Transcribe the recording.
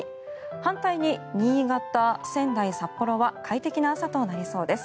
反対に、新潟、仙台、札幌は快適な朝となりそうです。